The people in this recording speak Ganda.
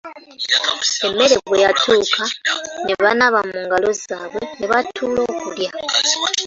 Emmere bwe yatuuka ne banaaba mungalo zaabwe ne batuula okulya.